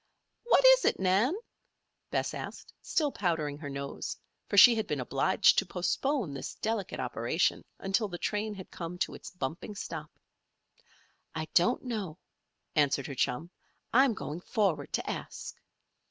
"What is it, Nan?" Bess asked, still powdering her nose, for she had been obliged to postpone this delicate operation until the train had come to its bumping stop. "I don't know," answered her chum. "I'm going forward to ask."